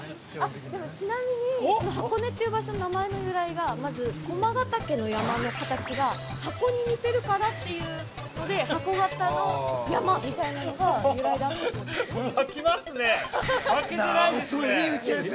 でも、ちなみに箱根っていう場所、名前の由来がまず、駒ヶ岳の山の形が箱に似てるからっていうので箱形の山みたいなのが由来なんだそうですよ。